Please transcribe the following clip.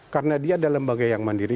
karena dia dalam lembaga yang mandiri